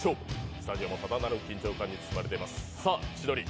スタジオもただならぬ緊張感に包まれています。